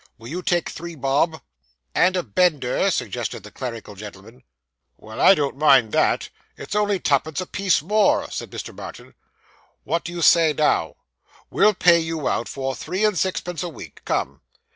Will you take three bob?' 'And a bender,' suggested the clerical gentleman. 'Well, I don't mind that; it's only twopence a piece more,' said Mr. Martin. 'What do you say, now? We'll pay you out for three and sixpence a week. Come!